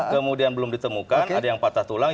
kemudian belum ditemukan ada yang patah tulang